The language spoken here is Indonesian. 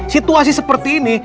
situasi seperti ini